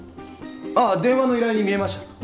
ああ電話の依頼人見えました。